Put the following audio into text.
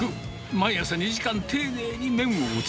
毎朝２時間丁寧に麺を打つ。